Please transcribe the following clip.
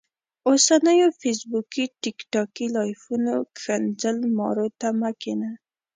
اوسنيو فيسبوکي ټیک ټاکي لايفونو ښکنځل مارو ته مه کينه